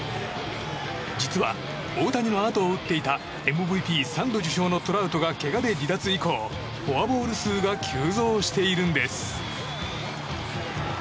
実は、大谷の後を打っていたＭＶＰ３度受賞のトラウトがけがで離脱以降フォアボール数が急増しているんです。